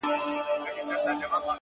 هوښیار انسان د خبرو اغېز سنجوي.